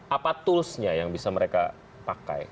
apa toolsnya yang bisa mereka pakai